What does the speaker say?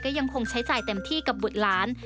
ยังคงใช้จ่ายเต็มที่กับบุตรหลาน